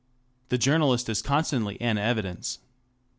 The journalist is constantly en Evidence.